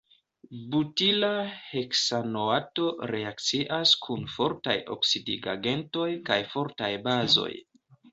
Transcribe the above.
Butila heksanoato reakcias kun fortaj oksidigagentoj kaj fortaj bazoj.